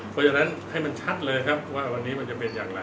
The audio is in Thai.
เพราะฉะนั้นให้มันชัดเลยครับว่าวันนี้มันจะเป็นอย่างไร